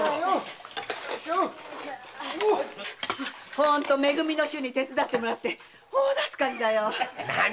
ホントめ組の衆に手伝ってもらって大助かりだよ。